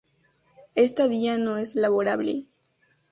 Esta día es no laborable.